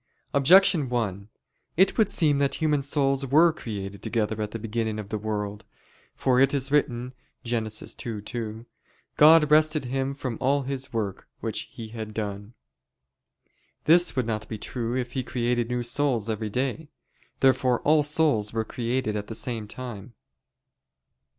Objection 1: It would seem that human souls were created together at the beginning of the world. For it is written (Gen. 2:2): "God rested Him from all His work which He had done." This would not be true if He created new souls every day. Therefore all souls were created at the same time.